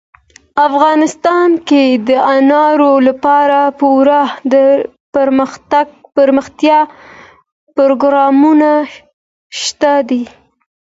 افغانستان کې د انارو لپاره پوره دپرمختیا پروګرامونه شته دي.